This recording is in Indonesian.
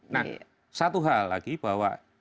nah satu hal lagi bahwa